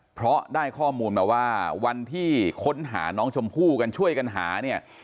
เพราะได้ข้อมูลมาว่าวันที่ค้นหาน้องชมพู่กันช่วยกันหาเนี่ย